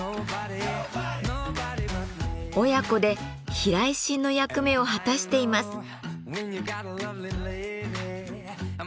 親子で避雷針の役目を果たしています。